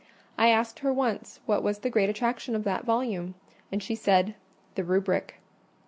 I asked her once what was the great attraction of that volume, and she said, "the Rubric."